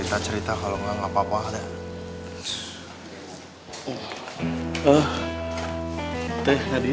nah dia pininya sakit